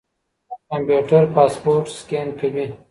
کمپيوټر پاسپورټ سکېن کوي.